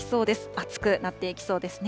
暑くなっていきそうですね。